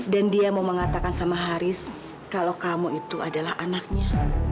dan dia mau mengatakan sama haris kalau kamu itu adalah anaknya